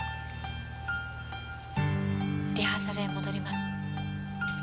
リハーサルへ戻ります。